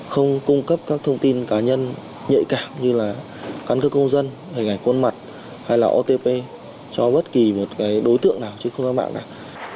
không cung cấp các thông tin cá nhân nhạy cảm như là căn cứ công dân hình ảnh khuôn mặt hay là otp cho bất kỳ một đối tượng nào trên không gian mạng nào